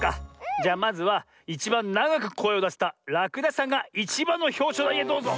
じゃあまずはいちばんながくこえをだせたらくだしさんがいちばんのひょうしょうだいへどうぞ。